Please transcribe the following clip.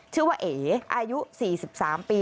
ชื่อว่าเอ๋อายุ๔๓ปี